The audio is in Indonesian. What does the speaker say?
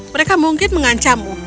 mereka mungkin mengancammu